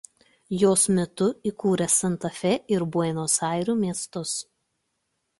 Jos metu įkūrė Santa Fė ir Buenos Airių miestus.